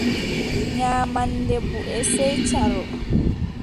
Nyamaande buʼe, sey caarol.